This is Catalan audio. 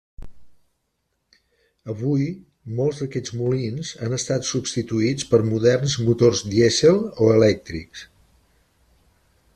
Avui molts d'aquests molins han estat substituïts per moderns motors dièsel o elèctrics.